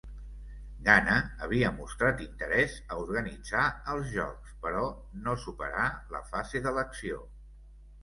Ghana havia mostrat interès a organitzar els Jocs però no superà la fase d'elecció.